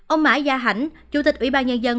ông mã gia hảnh chủ tịch ủy ban nhân dân